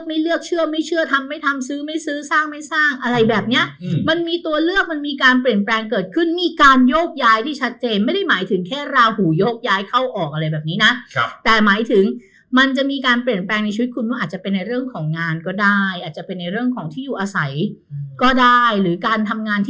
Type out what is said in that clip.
ไม่เลือกเชื่อไม่เชื่อทำไม่ทำซื้อไม่ซื้อสร้างไม่สร้างอะไรแบบเนี้ยอืมมันมีตัวเลือกมันมีการเปลี่ยนแปลงเกิดขึ้นมีการโยกย้ายที่ชัดเจนไม่ได้หมายถึงแค่ราหูโยกย้ายเข้าออกอะไรแบบนี้นะครับแต่หมายถึงมันจะมีการเปลี่ยนแปลงในชีวิตคุณว่าอาจจะเป็นในเรื่องของงานก็ได้อาจจะเป็นในเรื่องของที่อยู่อาศัยก็ได้หรือการทำงานที่